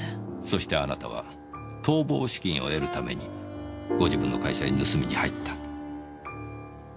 そしてあなたは逃亡資金を得るためにご自分の会社に盗みに入った。